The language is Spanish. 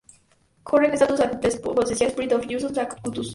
Current status and potential spread of Juncus acutus.